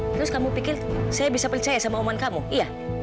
terus kamu pikir saya bisa percaya sama oman kamu iya